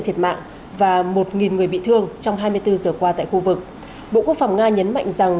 thiệt mạng và một người bị thương trong hai mươi bốn giờ qua tại khu vực bộ quốc phòng nga nhấn mạnh rằng